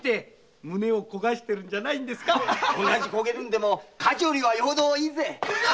同じ焦げるんでも火事よりよほどいいぜ。